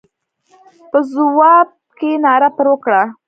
په ځواب کې ناره پر وکړه.